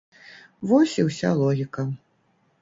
Вось і уся логіка.